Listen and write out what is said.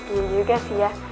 iya juga sih ya